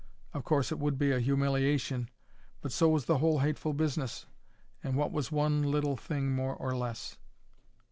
Of course, it would be a humiliation; but so was the whole hateful business, and what was one little thing more or less?